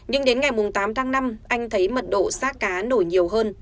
nhưng đến ngày tám tháng năm anh thấy mật độ xác cá nổi nhiều hơn